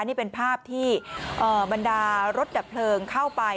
นี่เป็นภาพที่บรรดารถดับเพลิงเข้าไป